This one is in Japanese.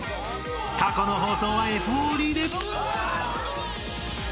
［過去の放送はＦＯＤで］